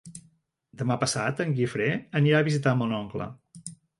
Demà passat en Guifré anirà a visitar mon oncle.